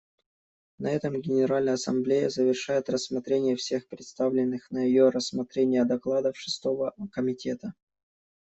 На этом Генеральная Ассамблея завершает рассмотрение всех представленных на ее рассмотрение докладов Шестого комитета.